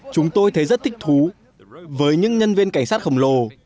chúng tôi thấy rất thích thú với những nhân viên cảnh sát khổng lồ